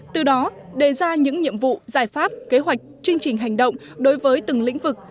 từ đó đề ra những nhiệm vụ giải pháp kế hoạch chương trình hành động đối với từng lĩnh vực